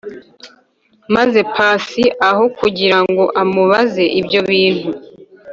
maze pasi aho kugirango amubaze ibyo bintu